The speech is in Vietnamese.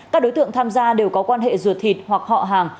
các đối tượng tham gia đều có quan hệ ruột thịt hoặc họ hàng